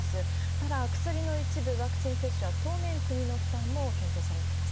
ただ、薬の一部、ワクチン接種は当面国の負担も検討されています。